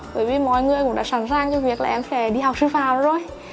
bởi vì mọi người cũng đã sẵn sàng cho việc là em sẽ đi học sư phạm rồi